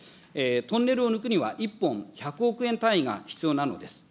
トンネルを抜くには、１本１００億円単位が必要なのです。